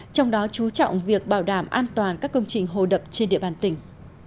trong đó chú trọng việc bảo đảm an toàn các công trình hồ đập trên địa bàn tỉnh